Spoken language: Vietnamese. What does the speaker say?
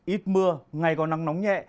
ít mưa ngày có nắng nóng nhẹ